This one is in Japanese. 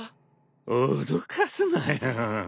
脅かすなよ。